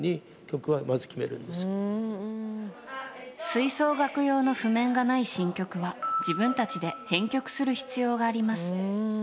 吹奏楽用の譜面がない新曲は自分たちで編曲する必要があります。